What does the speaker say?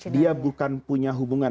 dia bukan punya hubungan